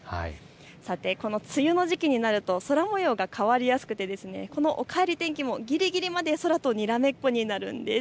さて、この梅雨の時期になると空もようが変わりやすくてこのおかえり天気もぎりぎりまで空とにらめっこになるんです。